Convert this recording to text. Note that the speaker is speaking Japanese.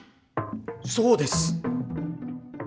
そうです！